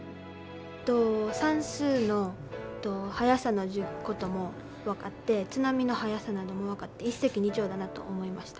算数の速さのことも分かって津波の速さなども分かって一石二鳥だなと思いました。